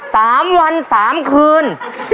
สามวันสามคืน